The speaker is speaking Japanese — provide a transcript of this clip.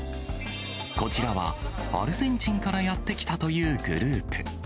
こちらはアルゼンチンからやって来たというグループ。